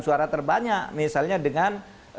suara terbanyak misalnya dengan